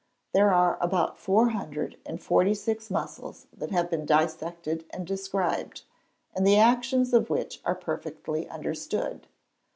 _ There are about four hundred and forty six muscles that have been dissected and described, and the actions of which are perfectly understood.